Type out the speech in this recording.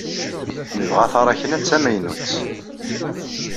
Nebɣa taṛakna d tamaynut.